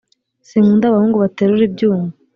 Sinkunda abahungu baterura ibyuma